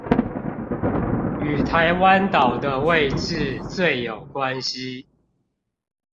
與台灣島的位置最有關係